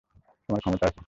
তোমার ক্ষমতা আছে।